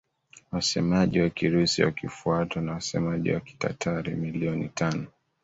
wasemaji wa Kirusi wakifuatwa na wasemaji wa Kitatari milioni tano